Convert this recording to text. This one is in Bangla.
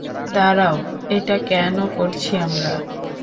দাঁড়াও, এটা কেন করছি আমরা?